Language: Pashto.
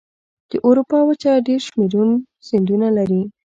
د اروپا وچه ډېر شمیر سیندونه لري.